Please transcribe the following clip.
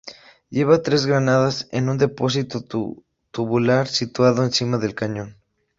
Lleva tres granadas en un depósito tubular situado encima del cañón.